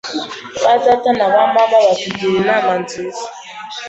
Ba data na ba mama batugira inama nziza.